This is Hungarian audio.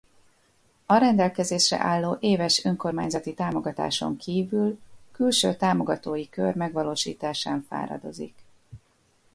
A rendelkezésre álló éves önkormányzati támogatáson kívül külső támogatói kör megvalósításán fáradozik.